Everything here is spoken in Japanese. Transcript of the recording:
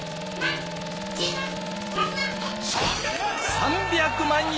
３００万円！